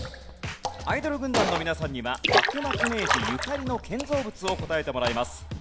アイドル軍団の皆さんには幕末・明治ゆかりの建造物を答えてもらいます。